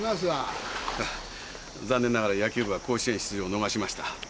はっ残念ながら野球部は甲子園出場を逃しました。